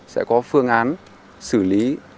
sẽ có phương án xử lý